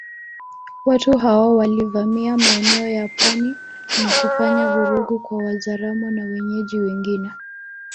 Watu hao walivamia maeneo ya pwani na kufanya vurugu kwa Wazaramo na wenyeji wengine